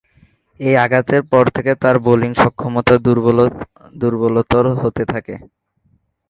এ আঘাতের পর থেকে তার বোলিং সক্ষমতা দূর্বলতর হতে থাকে।